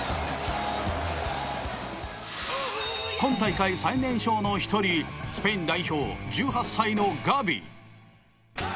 今大会、最年少の１人スペイン代表、１８歳のガビ。